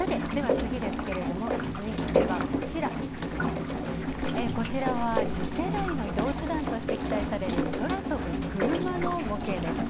次ですけれども、続いてはこちらは次世代の移動手段として期待される空飛ぶクルマの模型です。